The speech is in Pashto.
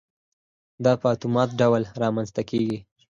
دا په اتومات ډول رامنځته کېږي.